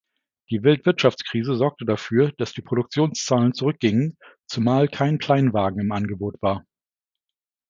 Die Weltwirtschaftskrise sorgte dafür, dass die Produktionszahlen zurückgingen, zumal kein Kleinwagen im Angebot war.